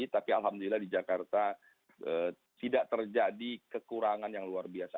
tapi alhamdulillah di jakarta tidak terjadi kekurangan yang luar biasa